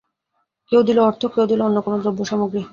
কেউ দিল অর্থ, কেউ দিল অন্য কোন দ্রব্য-সামগ্রী।